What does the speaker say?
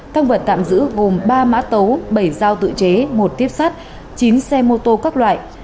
tăng vật tạm giữ gồm ba mã tấu bảy dao tự chế một tiếp sắt chín xe mô tô các loại